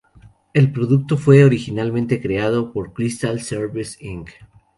El producto fue originalmente creado por "Crystal Services Inc.